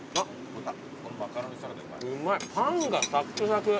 うまいパンがサックサク。